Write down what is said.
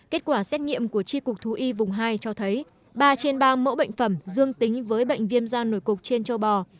kết quả xét nghiệm của tri cục thú y vùng hai cho thấy ba trên ba mẫu bệnh phẩm dương tính với bệnh viêm da nổi cục trên châu bò